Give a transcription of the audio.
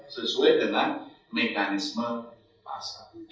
sesuai dengan mekanisme pasar